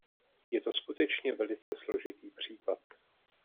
Je to skutečně velice složitý případ.